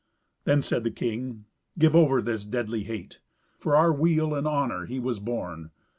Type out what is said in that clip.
Then said the king, "Give over this deadly hate. For our weal and honour he was born.